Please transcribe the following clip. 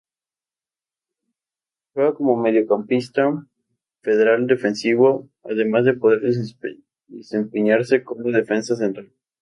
Juega como mediocampista central defensivo además de poder desempeñarse como defensa central.